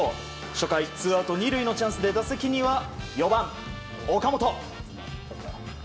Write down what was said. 初回、ツーアウト２塁で打席には４番、岡本。